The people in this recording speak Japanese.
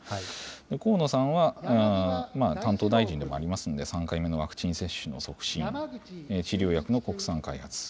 河野さんは担当大臣でもありますので、３回目のワクチン接種の促進、治療薬の国産開発。